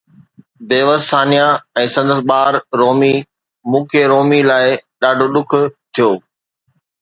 بيوس ثانيه ۽ سندس ٻار رومي، مون کي رومي لاءِ ڏاڍو ڏک ٿيو